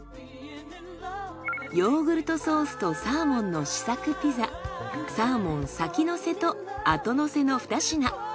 ヨーグルトソースとサーモンの試作ピザサーモン先乗せと後乗せの２品。